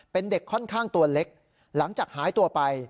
เป็นเด็กค่อนข้างตัวเล็กหลังจากหายตัวไป